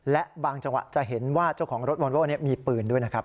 และบางจังหวะจะเห็นว่าเจ้าของรถวอนโว้มีปืนด้วยนะครับ